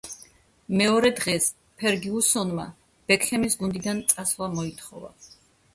მეორე დღეს ფერგიუსონმა ბეკჰემის გუნდიდან წასვლა მოითხოვა.